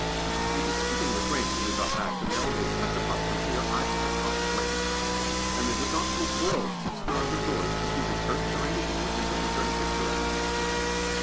It was spitting with rain when we got back, and they all made such a fuss for fear I had got wet, and they would not for worlds stir out of doors to see the church or anything, which I heard is very picturesque.